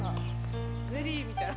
ゼリーみたい。